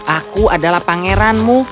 aku adalah pangeranmu